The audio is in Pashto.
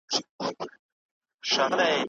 خپل خالق په علم سره وپيژنئ.